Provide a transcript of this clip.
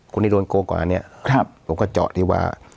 คนที่โดนโกลกกว่านี้ผมก็เจาะดีกว่า